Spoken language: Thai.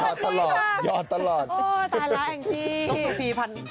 โปรดติดตามตอนต่อไป